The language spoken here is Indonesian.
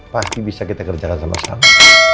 pasti bisa kita kerjakan sama sama